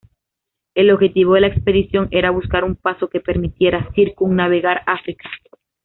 El objetivo de la expedición, era buscar un paso que permitiera circunnavegar África.